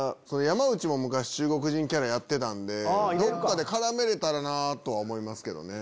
山内も昔中国人キャラやってたんでどっかで絡めれたらなぁとは思いますけどね。